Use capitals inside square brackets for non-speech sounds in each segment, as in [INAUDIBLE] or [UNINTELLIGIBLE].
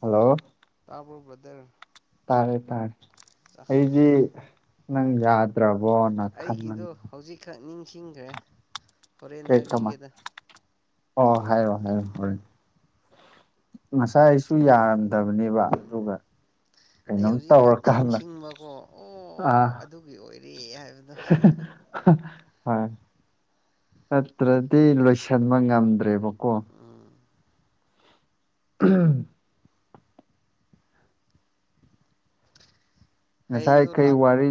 Hello ꯇꯥꯕꯕꯗꯔ ꯇꯥꯔꯦ ꯇꯥꯔꯦ ꯑꯩꯗꯤ ꯅꯪ ꯌꯥꯗ꯭ꯔꯕꯣꯅ ꯈꯟꯕ ꯑꯩꯒꯤꯗꯣ ꯍꯧꯖꯤꯛꯈꯛ ꯅꯤꯡꯁꯤꯡꯈ꯭ꯔꯦ ꯍꯣꯔꯦꯟ ꯀꯩ ꯀꯃ ꯍꯥꯏꯕꯤꯒꯦꯗ ꯑꯣ ꯍꯥꯏꯔꯣ ꯍꯥꯏꯔꯣ ꯍꯣꯔꯦꯟ ꯉꯁꯥꯏ ꯑꯩꯁꯨ ꯌꯥꯔꯝꯗꯕꯅꯦꯕ ꯎꯝ ꯑꯗꯨꯒ ꯑꯩ ꯀꯩꯅꯣꯝ ꯍꯧꯖꯤꯛꯈꯛ ꯇꯧꯔꯀꯥꯟꯗ ꯅꯤꯡꯁꯤꯡꯕꯀꯣ ꯑꯣ ꯑꯥ ꯑꯗꯨꯒꯤ ꯑꯣꯏꯔꯦ ꯍꯥꯏꯕꯗꯣ ꯍꯣꯏ ꯅꯠꯇ꯭ꯔꯗꯤ ꯂꯣꯏꯁꯤꯟꯕ ꯉꯝꯗ꯭ꯔꯦꯕꯀꯣ ꯑꯥ ꯎꯝ ꯉꯁꯥꯏ ꯍꯌꯦꯡꯗꯣ ꯀꯩ ꯋꯥꯔꯤ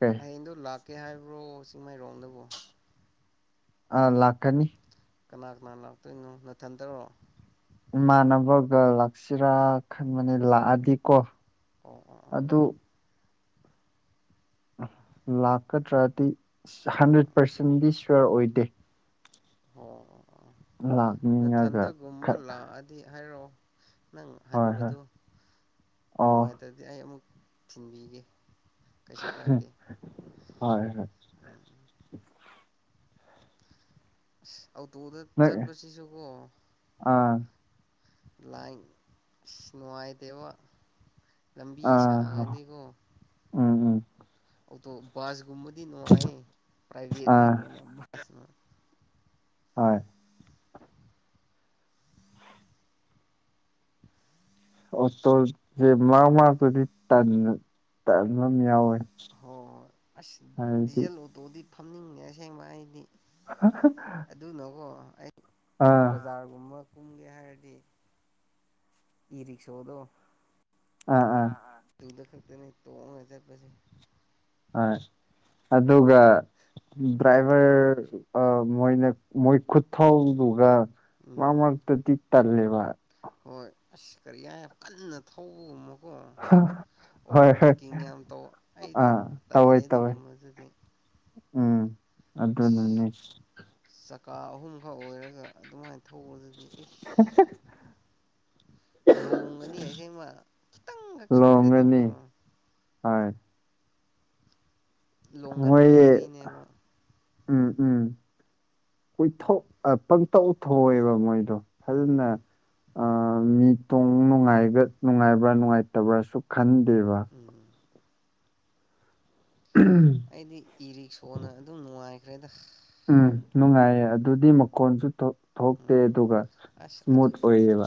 ꯀꯩ ꯍꯌꯦꯡꯗꯣ ꯂꯥꯛꯀꯦ ꯍꯥꯏꯕ꯭ꯔꯣ ꯆꯤꯡꯃꯥꯏꯔꯣꯡꯗꯕꯨ ꯑ ꯂꯥꯛꯀꯅꯤ ꯀꯅꯥ ꯀꯅꯥ ꯂꯥꯛꯇꯣꯏꯅꯣ ꯅꯊꯟꯗꯔꯣ ꯏꯃꯥꯟꯅꯕꯒ ꯂꯥꯛꯁꯤꯔꯥ ꯈꯟꯕꯅꯤ ꯂꯥꯛꯑꯗꯤ ꯀꯣ ꯑꯣ ꯑꯥ ꯑꯥ ꯂꯥꯛꯀꯗ꯭ꯔꯗꯤ ꯍꯟꯗ꯭ꯔꯦꯠ ꯄꯥꯔꯁꯦꯟꯗꯤ ꯁꯌꯣꯔ ꯑꯣꯏꯗꯦ ꯂꯥꯛꯅꯤꯡꯉꯒ ꯃꯊꯟꯗꯒꯨꯝꯕ ꯈꯔ ꯂꯥꯛꯑꯗꯤ ꯍꯥꯏꯔꯛꯑꯣ ꯅꯪ ꯍꯣꯏ ꯍꯣꯏ ꯍꯟꯕꯗꯨ ꯑꯣ ꯅꯨꯡꯉꯥꯏ ꯑꯗꯨꯗꯤ ꯑꯩ ꯑꯃꯨꯛ ꯊꯤꯟꯕꯤꯒꯦ ꯀꯩꯁꯨ ꯀꯥꯏꯗꯦ ꯍ ꯍꯣꯏ ꯑꯣꯇꯣꯗ ꯆꯠꯄꯁꯤꯁꯨꯀꯣ ꯑꯥ ꯂꯥꯏ ꯅꯨꯡꯉꯥꯏꯇꯦꯕ ꯂꯝꯕꯤ ꯁꯥꯡꯉꯗꯤꯀꯣ ꯎꯝ ꯎꯝ ꯑꯣꯇꯣ ꯕꯁꯀꯨꯝꯕꯗꯤ ꯅꯨꯡꯉꯥꯏ ꯄ꯭ꯔꯥꯏꯚꯦꯠꯇꯒꯤ ꯍꯦꯟꯅ ꯕꯁ ꯍꯣꯏ ꯑꯣ ꯇꯣꯁ ꯃꯥ ꯃꯥ ꯑꯗꯨꯗꯤ ꯇ ꯇꯝ ꯌꯥꯎꯋꯦ ꯍꯣꯏ ꯍꯣꯏ ꯑꯁ ꯍꯥꯏꯗꯤ ꯗꯤꯖꯜ ꯑꯣꯇꯣꯗꯤ ꯐꯝꯅꯤꯡꯅꯦ ꯑꯁꯦꯡꯕ ꯑꯩꯗꯤ ꯍꯥ ꯑꯗꯨꯅꯀꯣ ꯑꯩ ꯕꯖꯥꯔꯒꯨꯝꯕ ꯀꯨꯝꯒꯦ ꯍꯥꯏꯔꯗꯤ ꯏꯔꯤꯁꯣꯗꯣ ꯑꯥ ꯑꯥ ꯇꯨꯗ ꯈ ꯇ ꯑꯁ ꯑꯗꯨꯒ ꯗ꯭ꯔꯥꯏꯚꯔ ꯃꯣꯏꯅ ꯃꯣꯏ ꯈꯨꯠꯊꯧꯗꯨꯒ ꯃꯔꯛ ꯎꯝ ꯃꯔꯛꯇꯗꯤ ꯇꯜꯂꯦꯕ ꯍꯣꯏ ꯑꯁ ꯀꯔꯤ ꯍꯥꯏ ꯀꯟꯅ ꯊꯧꯕ ꯀꯣ ꯍꯣꯏ ꯍꯣꯏ ꯑꯣꯚꯔꯇꯦꯛꯀꯤꯡ ꯌꯥꯝ ꯇꯧꯕ ꯑꯩꯗꯤ ꯑꯥ ꯇꯧꯋꯦ ꯇꯜꯂꯦ ꯇꯧꯋꯦ ꯑꯗꯨꯒꯨꯝꯕ ꯗꯨꯗꯤ ꯎꯝ ꯑꯗꯨꯅꯤꯅꯦ ꯆꯀꯥ ꯑꯍꯨꯝꯈꯛ ꯑꯣꯏꯔꯒ ꯑꯗꯨꯃꯥꯏꯅ ꯊꯧꯕꯗꯗꯤ ꯏꯁ ꯂꯣꯡꯉꯅꯤ ꯑꯩꯁꯦꯡꯃ ꯈꯤꯇꯪꯈꯛ ꯁꯣꯏꯔꯗꯤꯀꯣ ꯂꯣꯡꯒꯅꯤ ꯍꯣꯏ ꯃꯣꯏ ꯂꯣꯡꯒꯟꯕ ꯒꯥꯔꯤꯅꯦꯕ ꯎꯝ ꯎꯝ ꯀꯣꯏꯊꯣꯛ ꯄꯪꯇꯧ ꯊꯧꯑꯦꯕ ꯃꯣꯏꯗ ꯎꯝ [UNINTELLIGIBLE] ꯃꯤꯇꯣꯡꯅꯨꯡꯉ ꯅꯨꯡꯉꯥꯏꯕ꯭ꯔꯥ ꯅꯨꯡꯉꯥꯏꯇꯕ꯭ꯔꯥꯁꯨ ꯈꯟꯗꯦꯕ ꯎꯝ [UNINTELLIGIBLE] ꯑꯩꯗꯤ ꯏꯔꯤꯛꯁꯣꯅ ꯑꯗꯨꯝ ꯅꯨꯡꯉꯥꯏꯈ꯭ꯔꯦꯗ ꯎꯝ ꯅꯨꯡꯉꯥꯏꯌꯦ ꯑꯗꯨꯗꯤ ꯃꯈꯣꯟꯁꯨ ꯊꯣꯛꯇꯦ ꯎꯝ ꯑꯗꯨꯒ ꯑꯁ ꯑꯗꯨ ꯏꯁꯃꯨꯠ ꯑꯣꯏꯌꯦꯕ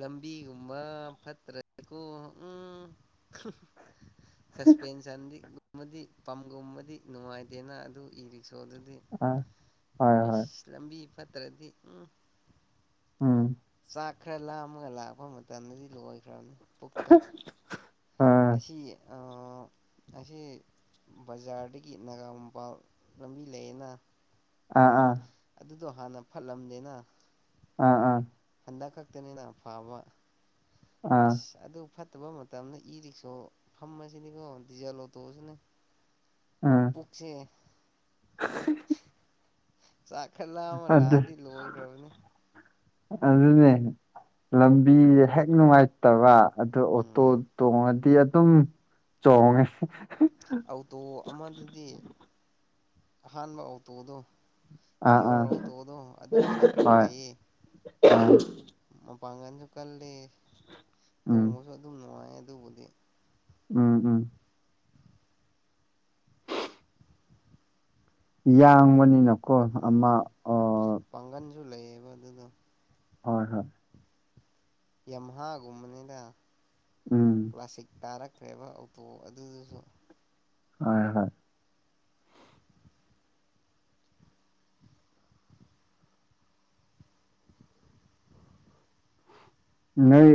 ꯂꯝꯕꯤꯒꯨꯝꯕ ꯐꯠꯇ꯭ꯔꯀꯣ ꯎꯝ ꯁꯁꯄꯦꯟꯁꯗꯤ ꯑꯃꯗꯤ ꯄꯝꯒꯨꯝꯕꯗꯤ ꯅꯨꯡꯉꯥꯏꯇꯦꯅ ꯑꯗꯨ ꯏ ꯔꯤꯛꯁꯣꯗꯨꯗꯤ ꯑ ꯍꯣꯏ ꯍꯣꯏ ꯑꯁ ꯂꯝꯕꯤ ꯐꯠꯇ꯭ꯔꯗꯤ ꯎꯝ ꯎꯝ ꯆꯥꯛ ꯈꯔ ꯂꯥꯝꯃꯒ ꯂꯥꯛꯄ ꯃꯇꯝꯗꯗꯤ ꯂꯣꯏꯈ꯭ꯔꯕꯅꯤ ꯄꯨꯛꯇꯣ ꯑꯥ ꯑꯁꯤ ꯑꯁꯤ ꯕꯖꯥꯔꯗꯒꯤ ꯅꯥꯒꯥ ꯃꯄꯥꯜ ꯂꯝꯕꯤ ꯂꯩꯌꯦꯅ ꯑꯥ ꯑꯥ ꯑꯗꯨꯗꯣ ꯍꯥꯟꯅ ꯐꯠꯂꯝꯗꯦꯅ ꯑꯥ ꯑꯥ ꯍꯟꯗꯛ ꯈꯛꯇꯅꯤꯅ ꯐꯥꯕ ꯑꯥ ꯑꯁ ꯑꯗꯨ ꯐꯠꯇꯕ ꯃꯇꯝꯗ ꯏ ꯔꯤꯛꯁꯣ ꯐꯝꯃꯁꯤꯅꯤꯀꯣ ꯗꯤꯖꯜ ꯑꯣꯇꯣꯑꯁꯤꯅꯦ ꯎꯝ [UNINTELLIGIBLE] ꯆꯥꯛꯈꯠꯂꯛꯑꯃ ꯑꯗꯨ ꯂꯥꯛꯑꯗꯤ ꯂꯣꯏꯈ꯭ꯔꯕꯅꯤ ꯑꯗꯨꯅꯦ ꯂꯝꯕꯤ ꯍꯦꯛ ꯅꯨꯡꯉꯥꯏ ꯐꯠꯇꯕ ꯑꯗꯨ ꯑꯣꯇꯣ ꯎꯝ ꯇꯣꯡꯉꯗꯤ ꯑꯗꯨꯝ ꯆꯣꯡꯉꯦ ꯑꯧꯇꯣ ꯑꯃꯗꯨꯗꯤ ꯑꯍꯥꯟꯕ ꯑꯧꯇꯣꯗꯣ ꯑꯥ ꯑꯥ ꯄꯤꯌꯣꯔ ꯑꯧꯇꯣꯗꯣ ꯑꯗꯨꯕꯨꯗꯤ ꯈꯔ ꯍꯣꯏ ꯐꯩꯌꯦ ꯑꯥ ꯃꯄꯥꯡꯒꯜꯁꯨ ꯀꯜꯂꯤ ꯎꯝ ꯇꯣꯡꯕꯁꯨ ꯑꯗꯨꯝ ꯅꯨꯡꯉꯥꯏ ꯑꯗꯨꯕꯨꯗꯤ ꯎꯝ ꯎꯝ ꯌꯥꯡꯕꯅꯤꯅꯀꯣ ꯑꯃ ꯑꯣ ꯄꯥꯡꯒꯟꯁꯨ ꯂꯩꯌꯦꯕ ꯑꯗꯨꯗ ꯍꯣꯏ ꯍꯣꯏ ꯌꯝꯍꯥꯒꯨꯝꯕꯅꯤꯅ ꯎꯝ ꯀ꯭ꯂꯥꯁꯤꯛ ꯇꯥꯔꯛ ꯀꯩ ꯑꯕ ꯑꯣꯇꯣ ꯑꯗꯨꯗꯨꯖꯨ ꯍꯣꯏ ꯍꯣꯏ [INAUDIBLE] [INAUDIBLE] ꯅꯣꯏ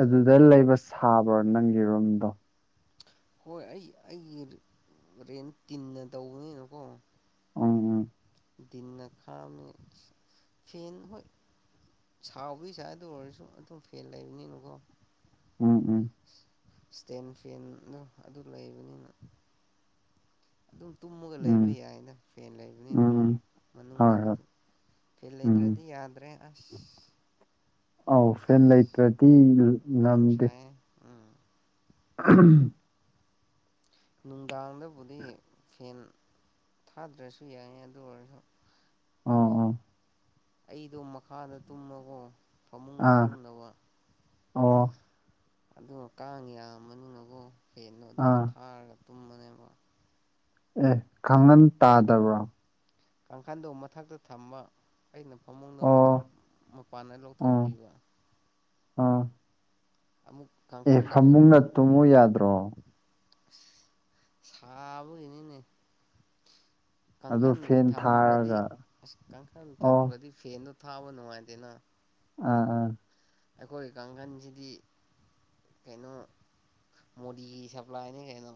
ꯑꯗꯨꯗ ꯂꯩꯕ ꯁꯥꯕ꯭ꯔꯣ ꯅꯪꯒꯤ ꯔꯨꯝꯗꯣ ꯍꯣꯏ ꯑꯩ ꯑꯩꯒꯤ ꯔꯦꯟ ꯇꯤꯟꯅ ꯇꯧꯕꯅꯤꯅꯀꯣ ꯎꯝ ꯎꯝ [UNINTELLIGIBLE] ꯁꯥꯎꯕꯒꯤꯁꯥ ꯑꯗꯨ ꯑꯣꯏꯔꯁꯨ ꯑꯗꯨꯝ ꯐꯦꯟ ꯂꯩꯕꯅꯤꯅꯀꯣ ꯎꯝ ꯎꯝ ꯏꯁꯇꯦꯟꯐꯦꯟꯗꯣ ꯑꯗꯨ ꯂꯩꯕꯅꯤꯅ ꯑꯗꯨꯝ ꯇꯨꯝꯃꯒ ꯂꯩꯕ ꯎꯝ ꯌꯥꯏꯅ ꯐꯦꯟ ꯎꯝ ꯂꯩꯕꯅꯤꯅꯀꯣ ꯎꯝ ꯍꯣꯏ ꯍꯣꯏ ꯃꯅꯨꯡꯗꯕꯨꯗꯤ ꯐꯤ ꯎꯝ ꯂꯩꯇ꯭ꯔꯗꯤ ꯌꯥꯗ꯭ꯔꯦ ꯑꯁ ꯑꯥꯎ ꯐꯦꯟ ꯂꯩꯇ꯭ꯔꯗꯤ ꯌꯥꯝ ꯁꯥꯏꯌꯦ ꯎꯝ ꯎꯝ ꯅꯨꯡꯗꯥꯡꯗꯕꯨꯗꯤ ꯐꯦꯟ ꯊꯥꯗ꯭ꯔꯁꯨ ꯌꯥꯏꯏ ꯑꯗꯨ ꯑꯣꯏꯔꯁꯨ ꯎꯝ ꯎꯝ ꯑꯩꯗꯣ ꯃꯈꯥꯗ ꯇꯨꯝꯃꯒꯣ ꯐꯃꯨꯡꯅ ꯑꯥ ꯇꯨꯝꯅꯕ ꯑꯣ ꯑꯗꯨꯒ ꯀꯥꯡ ꯌꯥꯝꯕꯅꯤꯅꯀꯣ ꯐꯦꯟꯗꯣ ꯑꯗꯨꯝ ꯑꯥ ꯊꯥꯔꯒ ꯇꯨꯝꯕꯅꯦꯕ ꯑꯦ ꯈꯪꯍꯟ ꯇꯥꯗꯕ꯭ꯔꯣ ꯀꯥꯡꯈꯟꯗ ꯃꯊꯛꯇ ꯊꯝꯕ ꯑꯩꯅ ꯐꯃꯨꯡꯗ ꯑꯣ ꯃꯄꯥꯟꯗ ꯑꯣ ꯂꯧꯊꯣꯛꯄꯤꯕ ꯑꯥ ꯑꯃꯨꯛ ꯑꯦ ꯀꯥꯡꯈꯟꯗꯣ ꯐꯃꯨꯡꯅ ꯇꯨꯝꯃꯨ ꯌꯥꯗ꯭ꯔꯣ ꯁꯥꯕꯅꯦ ꯏꯅꯦ ꯑꯗꯨ ꯀꯥꯡꯈꯜ ꯐꯦꯟ ꯊꯝꯈ꯭ꯔꯗꯤ ꯊꯥꯔꯒ ꯑꯁ ꯀꯥꯡꯈꯜ ꯑꯣ ꯊꯝꯈ꯭ꯔꯗꯤ ꯐꯦꯟꯗꯣ ꯊꯥꯕ ꯅꯨꯡꯉꯥꯏꯇꯦꯅ ꯑꯥꯑꯥ ꯑꯩꯈꯣꯏꯒꯤ ꯀꯥꯡꯈꯜꯁꯤꯗꯤ ꯀꯩꯅꯣ ꯃꯣꯗꯤꯒꯤ ꯁꯄ꯭ꯂꯥꯏꯅꯤ ꯀꯩꯅꯣ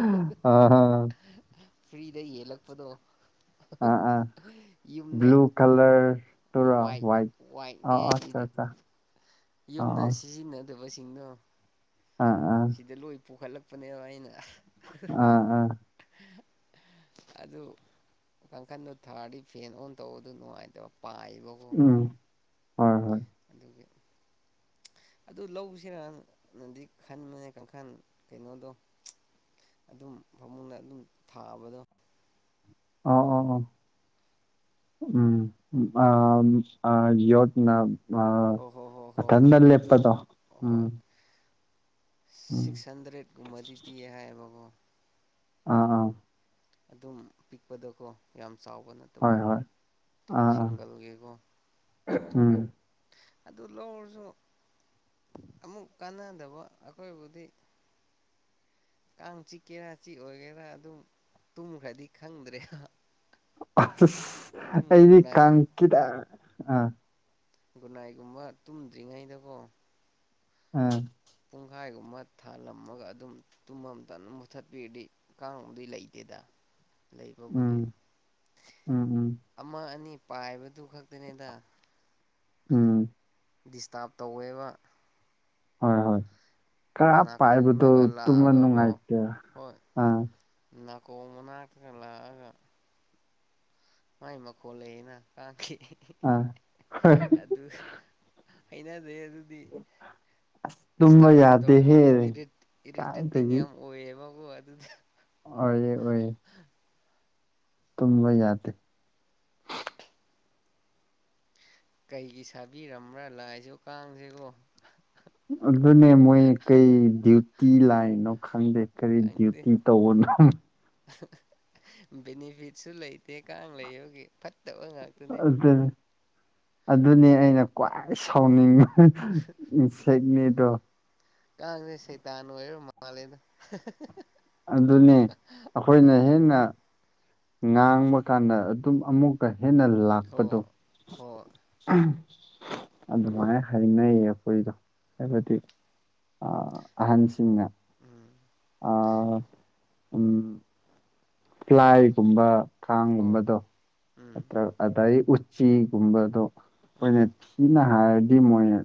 ꯑꯥ ꯑꯥ ꯐ꯭ꯔꯤꯗ ꯌꯦꯜꯂꯛꯄꯗꯣ ꯌꯨꯝꯗ ꯀꯂꯔ ꯇꯔ ꯋꯥꯏꯠ ꯍꯋꯥꯏꯠ ꯑ ꯋꯥꯏꯠꯅꯦ ꯑꯩꯒꯤꯗꯤ ꯑꯆꯥ ꯑꯆꯥ ꯌꯨꯝꯗ ꯁꯤꯖꯤꯟꯅꯗꯕꯁꯤꯡꯗꯣ ꯑꯥ ꯑꯥ ꯁꯤꯗ ꯂꯣꯏ ꯄꯨꯈꯠꯂꯛꯄꯅꯦꯕ ꯑꯩꯅ ꯑꯥ ꯑꯥ ꯑꯗꯨ ꯀꯥꯡꯈꯟꯗꯣ ꯊꯥꯔꯗꯤ ꯐꯦꯟ ꯑꯣꯟ ꯇꯧꯕꯗꯨ ꯅꯨꯡꯉꯥꯏꯇꯕ ꯄꯥꯏꯕ ꯀꯣ ꯎꯝ ꯍꯣꯏ ꯍꯣꯏ ꯑꯗꯨꯒꯤ ꯑꯗꯨ ꯂꯧꯁꯤꯔꯅꯪꯗꯤ ꯈꯟꯕꯅꯦ ꯀꯥꯡꯈꯜ ꯀꯩꯅꯣꯗꯣ ꯑꯗꯨꯝ ꯐꯃꯨꯡꯅ ꯑꯗꯨꯝ ꯊꯥꯕꯗꯣ ꯑꯣ ꯑꯣ ꯎꯝ ꯑ ꯌꯣꯠꯅ ꯑꯥ ꯍꯣꯏ ꯍꯣꯏ ꯍꯣꯏ ꯍꯣꯏ ꯍꯣꯏ ꯃꯊꯟꯗ ꯑꯗꯨ ꯂꯦꯞꯄꯗꯣ ꯎꯝ ꯍꯣꯏ ꯎꯝ ꯁꯤꯛꯁ ꯍꯟꯗ꯭ꯔꯦꯠꯀꯨꯝꯕꯗꯤ ꯄꯤꯌꯦ ꯍꯥꯏꯌꯦꯕꯀꯣ ꯑ ꯑ ꯑꯗꯨꯝ ꯄꯤꯛꯄꯗꯀꯣ ꯌꯥꯝ ꯆꯥꯎꯕ ꯅꯠꯇꯕ ꯍꯣꯏ ꯍꯣꯏ ꯑꯥ ꯑꯥ ꯁꯤꯡꯒꯜꯒꯤꯀꯣ ꯎꯝ ꯑꯗꯨ ꯂꯧꯔꯁꯨ ꯑꯃꯨꯛ ꯀꯥꯟꯅꯗꯕ ꯑꯩꯈꯣꯏꯕꯨꯗꯤ ꯀꯥꯡ ꯆꯤꯛꯀꯦꯔꯥ ꯆꯤꯛ ꯑꯣꯏꯒꯦꯔꯥ ꯑꯗꯨꯝ ꯇꯨꯝꯈ꯭ꯔꯗꯤ ꯈꯪꯗ꯭ꯔꯦꯕ꯫ ꯑꯁ ꯑꯩꯗꯤ ꯒꯨꯟꯅꯥꯏ ꯀꯥꯡꯀꯤꯗ ꯑꯥ ꯒꯨꯅꯥꯏꯒꯨꯝꯕ ꯇꯨꯝꯗ꯭ꯔꯤꯉꯩꯗꯀꯣ ꯎꯝ ꯄꯨꯡꯈꯥꯏꯒꯨꯝꯕ ꯊꯥꯜꯂꯝꯃꯒ ꯑꯗꯨꯝ ꯇꯨꯝꯃꯝꯗꯥꯏꯗ ꯃꯨꯊꯠꯄꯤꯔꯗꯤ ꯀꯥꯡꯒꯨꯝꯕꯗꯤ ꯂꯩꯇꯦꯗ ꯂꯩꯕꯕꯨꯗꯤ ꯎꯝ ꯎꯝ ꯎꯝ ꯑꯃ ꯑꯅꯤ ꯄꯥꯏꯕꯗꯨ ꯈꯛꯇꯅꯤꯗ ꯎꯝ ꯗꯤꯁꯇꯥꯔꯕ ꯇꯧꯋꯦꯕ ꯍꯣꯏ ꯍꯣꯏ ꯈꯔ ꯄꯥꯏꯕꯗꯣ ꯅꯥꯀꯣꯡꯗꯒ ꯇꯨꯝꯂ ꯂꯥꯛꯑꯒꯀꯣ ꯅꯨꯡꯉꯥꯏꯇꯦ ꯍꯣꯏ ꯑꯥ ꯅꯥꯀꯣꯡ ꯃꯅꯥꯛꯇꯒ ꯂꯥꯛꯑꯒ ꯃꯥꯏ ꯃꯈꯣꯜ ꯂꯩꯌꯦꯅ ꯀꯥꯡꯈꯤ ꯑꯥ ꯍꯣꯏ ꯑꯗꯨ ꯑꯩꯅ ꯑꯗꯨ ꯑꯗꯨ ꯗꯤ ꯑꯁ ꯇꯨꯝꯕ ꯗꯤꯁꯕ ꯇꯣ ꯌꯥꯗꯦꯍꯦ ꯏꯔꯤꯠ ꯏꯔꯤꯇꯦꯇ ꯀꯥꯏꯗꯒꯤ ꯑꯣꯏꯌꯦꯕꯕꯨ ꯑꯗꯨꯗ ꯑꯣꯏ ꯑꯣꯏ ꯇꯨꯝꯕ ꯌꯥꯗꯦ ꯀꯩꯒꯤ ꯁꯥꯕꯤꯔꯝꯕ꯭ꯔꯥ ꯂꯥꯏꯁꯨ ꯀꯥꯡꯁꯤꯒꯣ ꯑꯗꯨꯅꯦ ꯃꯣꯏ ꯀꯔꯤ ꯗ꯭ꯌꯨꯇꯤ ꯂꯥꯛꯏꯅꯣ ꯈꯪꯗꯦ ꯀꯔꯤ ꯈꯪꯗꯦ ꯗ꯭ꯌꯨꯇꯤ ꯇꯧꯕꯅꯣ ꯕꯦꯅꯤꯐꯤꯠꯁꯨ ꯂꯩꯇꯦ ꯀꯥꯡ ꯂꯩꯌꯨꯒꯤ ꯐꯠꯇꯕ ꯉꯥꯛꯇ ꯑꯗꯨꯅꯤ ꯑꯗꯨꯅꯤ ꯑꯩꯅ ꯈ꯭ꯋꯥꯏ ꯁꯥꯎꯅꯤꯡꯉꯤ ꯎ ꯁꯦꯠꯅꯤ ꯇꯣ ꯀꯥꯡꯁꯦ ꯁꯩꯇꯥꯟ ꯑꯣꯏꯔ ꯃꯥꯜꯂꯦꯗ ꯑꯗꯨꯅꯤ ꯑꯩꯈꯣꯏꯅ ꯍꯦꯟꯅ ꯉꯥꯡꯕ ꯀꯥꯟꯗ ꯑꯗꯨꯝ ꯑꯃꯨꯛ ꯀ ꯍꯦꯟꯅ ꯍꯣ ꯂꯥꯛꯄꯗꯣ ꯍꯣ ꯑꯗꯨꯃꯥꯏꯅ ꯍꯥꯏꯅꯩꯌꯦ ꯑꯩꯈꯣꯏꯗꯣ ꯍꯥꯏꯕꯗꯤ ꯑꯍꯟꯁꯤꯡꯅ ꯎꯝ ꯎꯝ ꯀꯥꯏꯒꯨꯝꯕ ꯊꯥꯡ ꯍꯣ ꯃꯗꯣ ꯎꯝ ꯅꯠꯇ ꯑꯗꯒꯤ ꯎꯆꯤꯒꯨꯝꯕꯗꯣ ꯑꯩꯈꯣꯏꯅ ꯎꯝ ꯊꯤꯅ ꯍꯥꯏꯔꯗꯤ ꯃꯣꯏꯅ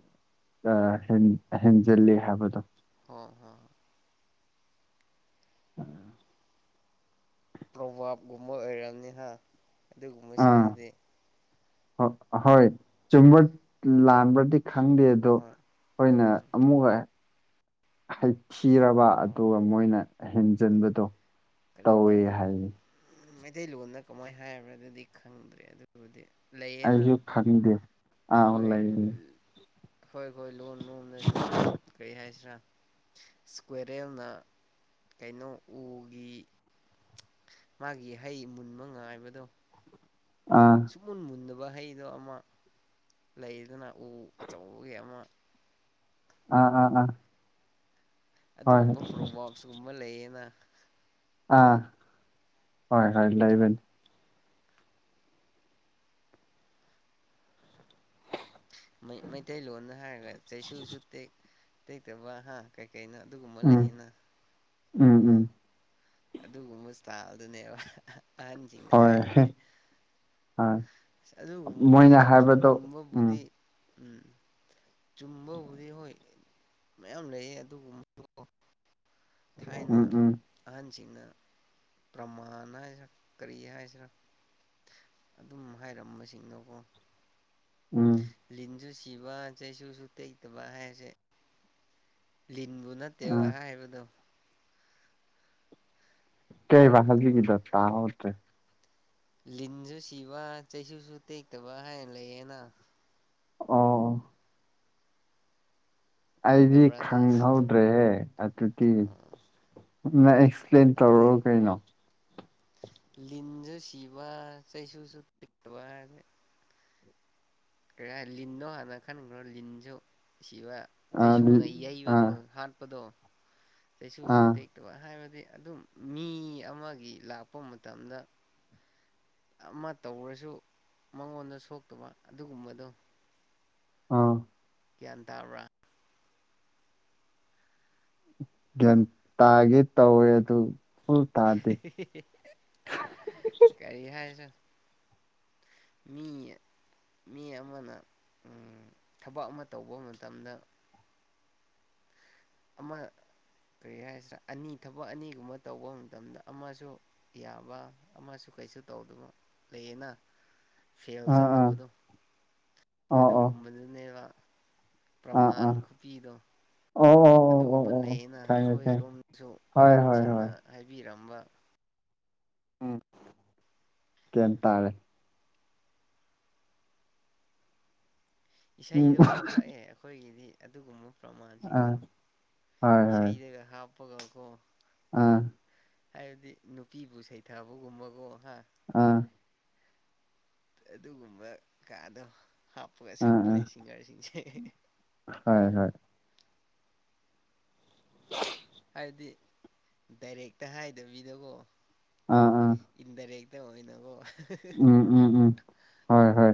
ꯍꯦꯟꯖꯜꯂꯤ ꯍꯥꯏꯕꯗꯣ ꯍ ꯍꯣꯏ ꯄ꯭ꯔꯣꯚꯥꯞꯀꯨꯝꯕ ꯑꯣꯏꯔꯕꯔꯕꯅꯤꯅ ꯑꯗꯨꯒꯨꯝꯕꯁꯤꯡꯗꯨꯗꯤ ꯍ ꯍꯣꯏ ꯆꯨꯝꯕ ꯂꯥꯟꯕꯗꯤ ꯈꯪꯗꯦ ꯑꯗꯣ ꯍꯣꯏ ꯑꯩꯈꯣꯏꯅ ꯎꯝ ꯑꯃꯨꯛꯀ ꯊꯤꯔꯕ ꯍꯣꯏ ꯍꯣꯏ ꯑꯗꯨꯒ ꯃꯣꯏꯅ ꯍꯦꯟꯖꯟꯕꯗꯣ ꯇꯧꯋꯦ ꯍꯥꯏꯔꯤ ꯃꯩꯇꯩꯂꯣꯟꯅ ꯀꯃꯥꯏꯅ ꯍꯥꯏꯔꯕ꯭ꯔꯥ ꯑꯗꯨꯗꯤ ꯈꯪꯗ꯭ꯔꯦ ꯑꯗꯨ ꯑꯗꯨꯕꯨꯗꯤ ꯂꯩꯌꯦꯅ ꯑꯩꯁꯨ ꯈꯪꯗꯦ ꯑꯥ ꯑꯩꯈꯣꯏ ꯂꯩꯕꯅꯤ ꯑꯩꯈꯣꯏ ꯑꯩꯈꯣꯏ ꯂꯣꯟ ꯂꯣꯝꯗꯁꯨ ꯀꯔꯤ ꯍꯥꯏꯁꯤꯔꯥ ꯏꯁꯀ꯭ꯋꯦꯔꯦꯜꯅ ꯀꯩꯅꯣ ꯎꯒꯤ ꯃꯥꯒꯤ ꯍꯩ ꯃꯨꯟꯕ ꯉꯥꯏꯕꯗꯣ ꯑꯥ ꯁꯨꯃꯨꯟ ꯃꯨꯟꯕ ꯍꯩꯗꯣ ꯑꯃ ꯂꯩꯗꯅ ꯎ ꯑꯆꯧꯕꯒꯤ ꯑꯃ ꯑꯥ ꯑꯥ ꯑꯥ ꯍꯣꯏ ꯑꯗꯨꯒꯨꯝꯕ ꯄ꯭ꯔꯣꯕꯥꯣꯞꯁꯀꯨꯝꯕ ꯂꯩꯌꯦꯅ ꯑꯥ ꯍꯣꯏ ꯍꯣꯏ ꯂꯩ ꯂꯩꯕꯅꯤ ꯃꯩꯇꯩꯂꯣꯟꯗ ꯍꯥꯏꯔꯒ ꯆꯩꯁꯨꯁꯨ ꯇꯦꯛ ꯇꯦꯛꯇꯕ ꯍꯥ ꯀꯩꯀꯩꯅꯣ ꯑꯗꯨꯒꯨꯝꯕ ꯎꯝ ꯂꯩꯌꯦꯅ ꯎꯝ ꯎꯝ ꯑꯗꯨꯒꯨꯝꯕ ꯏꯁꯇꯥꯜꯗꯨꯅꯦꯕ ꯑꯍꯟꯁꯤꯡꯅ ꯍꯣꯏ ꯍꯥꯏꯔꯛꯏꯁꯦ ꯍꯣꯏ ꯑ ꯃꯣꯏꯅ ꯑꯗꯨꯒꯨꯝꯕꯗꯨꯁꯨ ꯍꯥꯏꯕꯗꯣ ꯎꯝ ꯆꯨꯝꯕꯕꯨꯗꯤ ꯎꯝ ꯆꯨꯝꯕꯕꯨꯗꯤ ꯍꯣꯏ ꯃꯌꯥꯝ ꯂꯩꯌꯦ ꯑꯗꯨꯕꯨ ꯎꯝ ꯊꯥꯏꯅ ꯎꯝ ꯑꯍꯟꯁꯤꯡꯅ ꯄ꯭ꯔꯃꯥꯟ ꯍꯥꯏꯁꯤꯔꯥ ꯀꯔꯤ ꯍꯥꯏꯁꯤꯔꯥ ꯑꯗꯨꯝ ꯍꯥꯏꯔꯝꯕꯁꯤꯡꯗꯨꯀꯣ ꯎꯝ ꯂꯤꯟꯁꯨ ꯁꯤꯕ ꯆꯩꯁꯨꯁꯨ ꯇꯦꯛꯇꯕ ꯍꯥꯏꯁꯦ ꯂꯤꯟꯕꯨ ꯅꯠꯇꯦꯕ ꯑꯥ ꯍꯥꯏꯕꯗꯣ ꯀꯩꯕ ꯑꯗꯨꯝ ꯍꯧꯖꯤꯛꯀꯤꯗꯣ ꯇꯥꯍꯧꯇ꯭ꯔꯦ ꯂꯤꯟꯁꯨ ꯁꯤꯕ ꯆꯩꯁꯨꯁꯨ ꯇꯦꯛꯇꯕ ꯍꯥꯏꯅ ꯂꯩꯌꯦꯅ ꯑꯣ ꯑꯩꯗꯨꯗꯤ ꯈꯪꯗꯕ꯭ꯔꯅ ꯈꯪꯍꯧꯗ꯭ꯔꯦꯍꯦ ꯑꯗꯨꯗꯤ ꯑꯦꯛꯁꯄ꯭ꯂꯦꯟ ꯇꯧꯔꯣ ꯅꯠꯇꯦ ꯀꯩꯅꯣ ꯂꯤꯟꯁꯨ ꯁꯤꯕ ꯆꯩꯁꯨꯁꯨ ꯇꯦꯀꯇꯕ ꯍꯥꯏꯕꯅꯤ ꯂꯤꯟꯗꯣ ꯍꯥꯟꯅ ꯈꯟꯈ꯭ꯔꯣ ꯂꯤꯟꯁꯨ ꯁꯤꯕ ꯑꯗꯤ ꯆꯩꯁꯨꯅ ꯑꯥ ꯌꯩꯕꯗꯣ ꯍꯥꯠꯄꯗꯣ ꯆꯩꯁꯨꯁꯨ ꯑꯥ ꯇꯦꯛꯇꯕ ꯍꯥꯏꯕꯗꯤ ꯑꯗꯨꯝ ꯃꯤ ꯑꯃꯒꯤ ꯂꯥꯛꯄ ꯃꯇꯝꯗ ꯑꯃ ꯇꯧꯔꯁꯨ ꯃꯉꯣꯟꯗ ꯁꯣꯛꯇꯕ ꯑꯗꯨꯒꯨꯝꯕꯗꯣ ꯑꯥ ꯒ꯭ꯌꯥꯟ ꯇꯥꯕ꯭ꯔꯥ ꯒ꯭ꯌꯥꯟ ꯇꯥꯒꯦ ꯇꯧꯏ ꯑꯗꯨ ꯐꯨꯜ ꯇꯥꯗꯦ ꯀꯔꯤ ꯍꯥꯏꯁꯤꯔ ꯃꯤ ꯃꯤ ꯑꯃꯅ ꯎꯝ ꯊꯕꯛ ꯑꯃ ꯇꯧꯕ ꯃꯇꯝꯗ ꯑꯃ ꯀꯔꯤ ꯍꯥꯏꯁꯤꯔ ꯑꯅꯤ ꯊꯕꯛ ꯑꯅꯤꯒꯨꯝꯕ ꯇꯧꯕ ꯃꯇꯝꯗ ꯑꯃꯁꯨ ꯌꯥꯕ ꯑꯃꯁꯨ ꯀꯩꯁꯨ ꯇꯧꯗꯕ ꯂꯩꯌꯦꯅ ꯐꯦꯜ ꯑꯥ ꯑꯥ ꯆꯠꯇꯕꯗꯣ ꯑꯣ ꯑꯣ ꯑꯗꯨꯒꯨꯝꯕꯗꯨꯅꯦꯕ ꯑꯥ ꯄ꯭ꯔꯃꯥꯟ ꯑꯥ ꯈꯨꯄꯤꯗꯣ ꯑꯣ ꯑꯣ ꯑꯣ ꯑꯣ ꯑꯗꯨꯒꯨꯝꯕ ꯑꯣ ꯑꯣ ꯂꯩꯌꯦꯅ ꯈꯪꯉꯦ ꯈꯪꯉꯦ ꯑꯩꯈꯣꯏꯔꯣꯝꯗꯁꯨ ꯍꯣꯏ ꯍꯣꯏ ꯑꯍꯟꯁꯤꯡꯅ ꯍꯣꯏ ꯍꯥꯏꯕꯤꯔꯝꯕ ꯎꯝ ꯒꯌ꯭ꯥꯥ ꯟ ꯇꯥꯔꯦ ꯎꯝ ꯏꯁꯩꯗꯐꯥꯎ ꯁꯛꯑꯦ ꯑꯩꯈꯣꯏꯒꯤꯗꯤ ꯑꯗꯨꯒꯨꯝꯕ ꯑꯥ ꯄ꯭ꯔꯃꯥꯟꯁꯤꯡꯗꯣ ꯍꯣꯏ ꯍꯣꯏ ꯏꯁꯩꯗꯒ ꯍꯥꯞꯄꯒꯀꯣ ꯑꯥ ꯍꯥꯏꯕꯗꯤ ꯅꯨꯄꯤꯕꯨ ꯁꯩꯊꯥꯕꯒꯨꯝꯕꯀꯣ ꯍꯥ ꯑꯥ ꯑꯗꯨꯒꯨꯝꯕ ꯀꯥꯗꯣ ꯍꯥꯞꯄꯒ ꯑꯥ ꯁꯛꯄꯅꯦ ꯑꯥ ꯁꯤꯡꯒꯔꯁꯤꯡꯁꯦ ꯍꯣꯏ ꯍꯣꯏ [INAUDIBLE] ꯍꯥꯏꯕꯗꯤ ꯗꯥꯏꯔꯦꯛꯇ ꯍꯥꯏꯗꯕꯤꯗꯀꯣ ꯑꯥ ꯑꯥ ꯏꯟꯗꯥꯏꯔꯦꯛ ꯑꯣꯏꯅꯀꯣ ꯎꯝ ꯎꯝ ꯎꯝ ꯍꯣꯏ ꯍꯣꯏ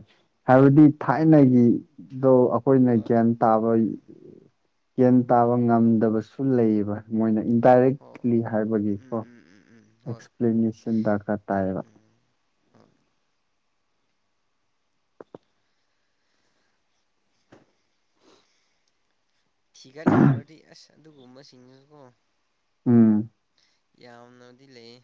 ꯍꯥꯏꯕꯗꯤ ꯊꯥꯏꯅꯒꯤꯗꯣ ꯑꯩꯈꯣꯏꯅ ꯍꯣꯏ ꯒ꯭ꯌꯥꯟ ꯇꯥꯕ ꯎꯝ ꯒ꯭ꯌꯥꯟ ꯇꯥꯕ ꯉꯝꯗꯕꯁꯨ ꯂꯩꯌꯦꯕ ꯃꯣꯏꯅ ꯍꯣꯏ ꯏꯟꯗꯥꯏꯔꯦꯛꯂꯤ ꯍꯥꯏꯕꯒꯤꯀꯣ ꯎꯝ ꯎꯝ ꯎꯝ ꯎꯝ ꯍꯣꯏ ꯑꯦꯛꯁꯄ꯭ꯂꯦꯅꯦꯁꯟ ꯗꯔꯀꯥꯔ ꯇꯥꯏꯌꯦꯕ ꯎꯝ ꯍꯣꯏ ꯊꯤꯒꯠꯂꯨꯔꯗꯤ ꯑꯁ ꯑꯗꯨꯒꯨꯝꯕꯁꯤꯡꯗꯨꯁꯨ ꯀꯣ ꯎꯝ ꯌꯥꯝꯅꯗꯤ ꯂꯩꯌꯦ